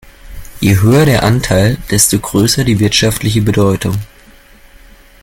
Je höher der Anteil, desto größer die wirtschaftliche Bedeutung.